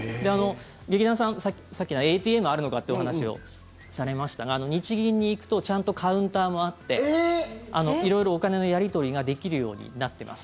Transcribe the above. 劇団さん、さっきＡＴＭはあるのかっていうお話をされましたが日銀に行くとちゃんとカウンターもあって色々、お金のやり取りができるようになってます。